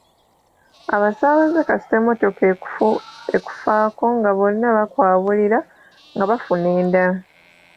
Abasaabaze kasita emmotoka ekufaako nga bonna bakwabulira nga bafuna endala.